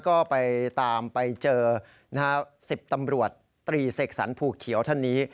ก็ไปตามไปเจอ๑๐ตำรวจตรีเสกสรรภูเขียวท่านนี้